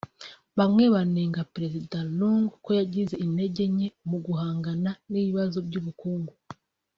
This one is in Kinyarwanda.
Bamwe banenga Perezida Lungu ko yagize intege nke mu guhangana n’ibibazo by’ubukungu